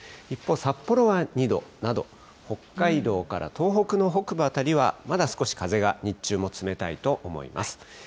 一方、札幌は２度など、北海道から東北の北部辺りはまだ少し風が日中も冷たいと思います。